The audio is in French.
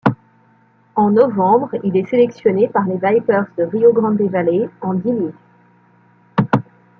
En novembre, il est sélectionné par les Vipers de Rio Grande Valley en D-League.